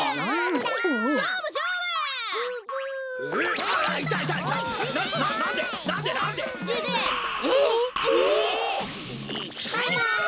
バイバイ。